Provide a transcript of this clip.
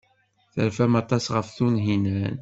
Terfamt aṭas ɣef Tunhinan.